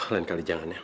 lain kali jangan ya